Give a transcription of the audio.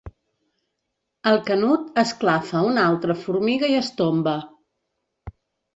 El Canut esclafa una altra formiga i es tomba.